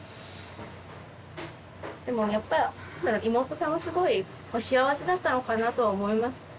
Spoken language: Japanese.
でもやっぱ妹さんはすごい幸せだったのかなとは思います。